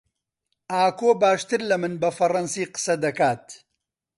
ئاکۆ باشتر لە من بە فەڕەنسی قسە دەکات.